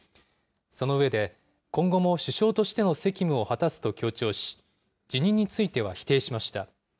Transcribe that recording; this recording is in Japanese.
その上で、今後も首相としての責務を果たすと強調し、辞任については否定しました。